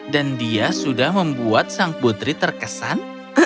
dan dia sudah membuat sang putri terkesan